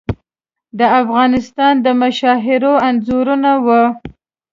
د افغانستان د مشاهیرو انځورونه وو.